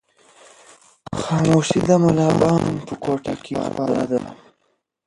خاموشي د ملا بانګ په کوټه کې خپره ده.